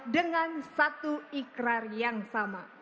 dengan satu ikrar yang sama